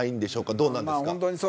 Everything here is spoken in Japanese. どうなんですか。